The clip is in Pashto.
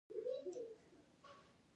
آیا د کاناډا کرنه ډیره پرمختللې نه ده؟